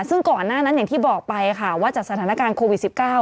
ซึ่งก่อนหน้านั้นอย่างที่บอกไปค่ะว่าจากสถานการณ์โควิด๑๙